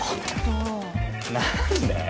何で？